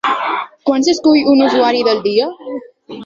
Quan s'escull un «usuari del dia»?